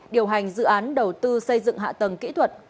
điều hành dự án đầu tư xây dựng hạ tầng kỹ thuật